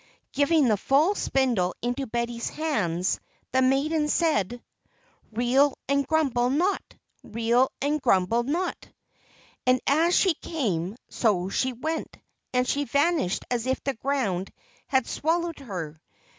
Giving the full spindle into Betty's hands, the maiden said: "Reel and grumble not! Reel and grumble not!" And as she came, so she went, and she vanished as if the ground had swallowed her.